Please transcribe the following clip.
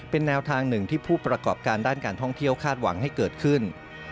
เป็นแนวทางหนึ่งที่ผู้ประกอบการด้านการท่องเที่ยวคาดหวังให้เกิดขึ้น